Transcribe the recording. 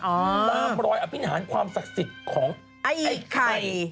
ตามรอยอภินิหารความศักดิ์สิทธิ์ของไอ้ไข่